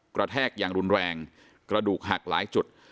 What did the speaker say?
แทกอย่างรุนแรงกระดูกหักหลายจุด